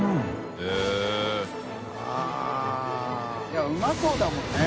いやうまそうだもんね。